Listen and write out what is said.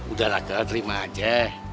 udah lah kaul terima aja